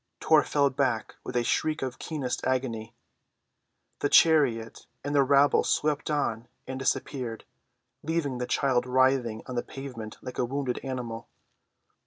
Tor fell back with a shriek of keenest agony. The chariot and the rabble swept on and disappeared, leaving the child writhing on the pavement like a wounded animal.